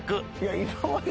今まで。